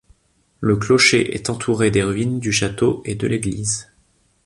Le clocher est entouré des ruines du château et de l'église.